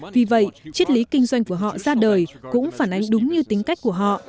vì vậy chiết lý kinh doanh của họ ra đời cũng phản ánh đúng như tính cách của họ